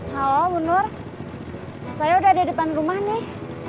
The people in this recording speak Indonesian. halo munur saya udah di depan rumah nih